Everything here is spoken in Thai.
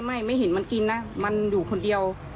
ไม่ไม่เห็นมันกินนะมันอยู่คนเดียว